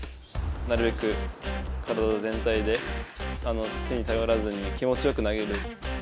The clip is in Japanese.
なるべく体全体で手に頼らずに、気持ちよく投げる。